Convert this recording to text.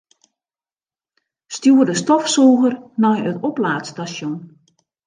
Stjoer de stofsûger nei it oplaadstasjon.